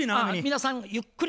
皆さんゆっくり。